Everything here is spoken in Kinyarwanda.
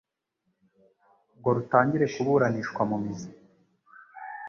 ngo rutangire kuburanishwa mu mizi.